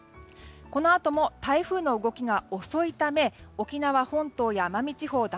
このあとも台風の動きが遅いため沖縄本島や奄美地方は